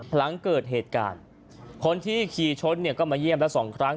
หลังเกิดเหตุการณ์คนที่ขี่ชนเนี่ยก็มาเยี่ยมแล้วสองครั้ง